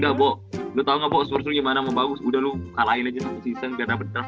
udah bo lo tau gak bo spurs lu gimana mau bagus udah lo kalahin aja satu season biar dapet terang